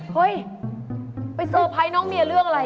เฮ้ยไปเซอร์ไพรส์น้องเมียเรื่องอะไร